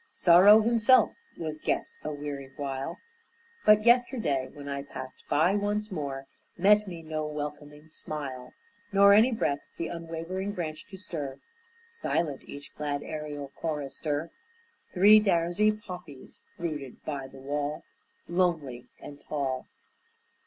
(Sorrow himself was guest a weary while,) But yesterday when I passed by once more, Met me no welcoming smile, Nor any breath the unwavering branch to stir, Silent each glad ærial chorister; Three drowsy poppies brooded by the wall, Lonely and tall.